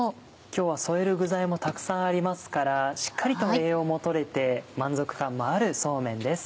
今日は添える具材もたくさんありますからしっかりと栄養も取れて満足感もあるそうめんです。